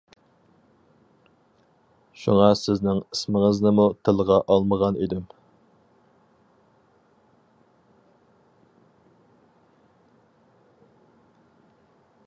شۇڭا سىزنىڭ ئىسمىڭىزنىمۇ تىلغا ئالمىغان ئىدىم.